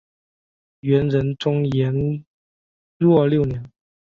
元仁宗延佑六年。